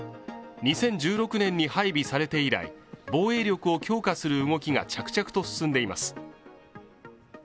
２０１６年に配備されて以来防衛力を強化する動きが着々と進んでいます